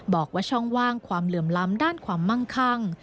บอกว่าช่องว่างความเหลื่อมล้ำด้านความมั่งคั่ง